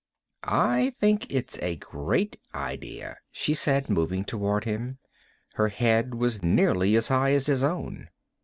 "I think it's a great idea," she said, moving toward him. Her head was nearly as high as his own.